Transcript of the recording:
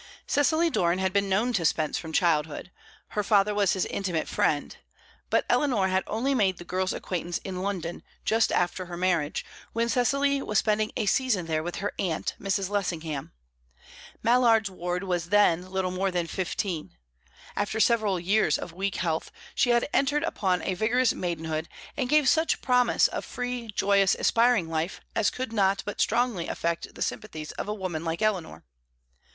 Cecily Doran had been known to Spence from childhood; her father was his intimate friend. But Eleanor had only made the girl's acquaintance in London, just after her marriage, when Cecily was spending a season there with her aunt, Mrs. Lessingham. Mallard's ward was then little more than fifteen; after several years of weak health, she had entered upon a vigorous maidenhood, and gave such promise of free, joyous, aspiring life as could not but strongly affect the sympathies of a woman like Eleanor.